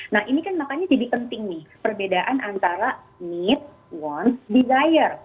nah ini kan makanya jadi penting nih perbedaan antara meet want desire